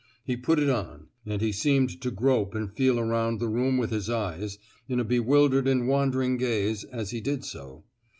He put it on; and he seemed to grope and feel around the room with his eyes, in a bewildered and wandering gaze, as he did so.